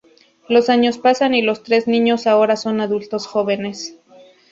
Los años pasan, y los tres niños ahora son adultos jóvenes.